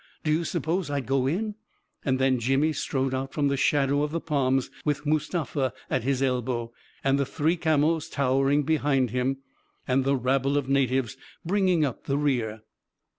Do you suppose I'd go in ... And then Jimmy strode out from the shadow of the palms, with Mustafa at his elbow, and the three camels towering behind him, and the rabble of na tives bringing up the rear.